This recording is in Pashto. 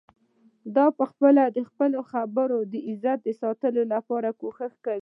ده په خپله د خپل عزت د ساتلو لپاره کوشش کاوه.